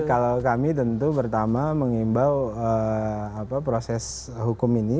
kalau kami tentu pertama mengimbau proses hukum ini